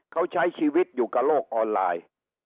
เขาใช้ชีวิตอยู่กับโลกออนไลน์